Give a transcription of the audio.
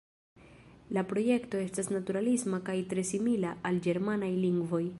La projekto estas naturalisma kaj tre simila al ĝermanaj lingvoj.